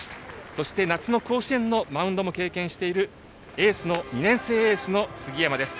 そして夏の甲子園のマウンドも経験している２年生エースの杉山です。